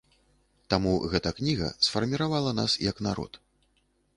Таму гэта кніга сфарміравала нас як народ.